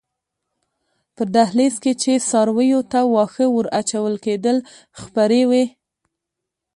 په دهلېز کې چې څارویو ته واښه ور اچول کېدل خپرې وې.